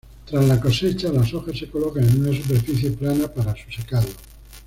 Tras la cosecha, las hojas se colocan en una superficie plana para su secado.